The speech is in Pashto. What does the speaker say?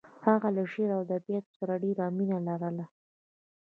هغه له شعر او ادبیاتو سره ډېره مینه لرله